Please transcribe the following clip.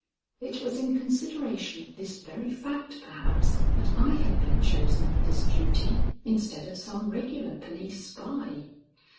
It was in consideration of this very fact, perhaps, that I had been chosen for this duty instead of some regular police spy.